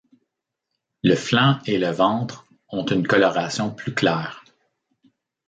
Le flanc et le ventre ont une coloration plus claire.